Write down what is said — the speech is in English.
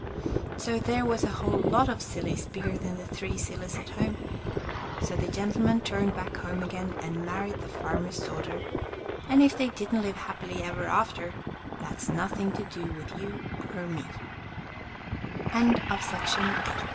So there was a whole lot of sillies bigger than the three sillies at home. So the gentle man turned back home again and married the farmer's daughter, and if they didn't live happily ever after, that's nothing to do with you or